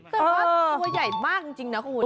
แต่ว่าตัวใหญ่มากจริงนะคุณ